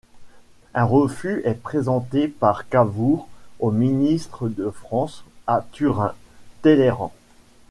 Un refus est présenté par Cavour au ministre de France à Turin, Talleyrand.